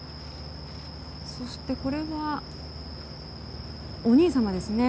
そしてこれは、お兄様ですね。